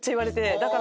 だから。